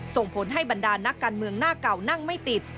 ส่งผลให้บรรดานักการเมืองหน้าเก่านั่งไม่ติด